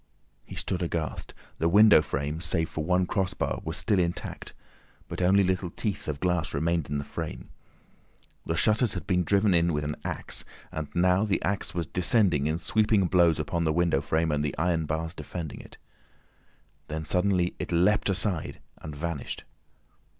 He stood aghast. The window frame, save for one crossbar, was still intact, but only little teeth of glass remained in the frame. The shutters had been driven in with an axe, and now the axe was descending in sweeping blows upon the window frame and the iron bars defending it. Then suddenly it leapt aside and vanished.